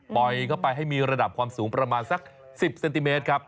เข้าไปให้มีระดับความสูงประมาณสัก๑๐เซนติเมตรครับ